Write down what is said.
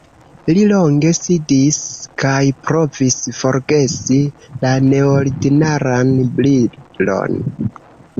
Li longe sidis kaj provis forgesi la neordinaran brilon.